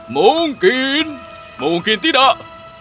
mungkin mungkin tidak